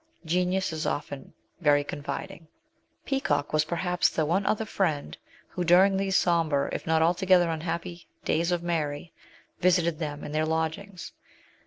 Genius is often very confiding. Peacock was perhaps the one other friend who, during these sombre, if not altogether unhappy, days of Mary, visited them in their lodgings.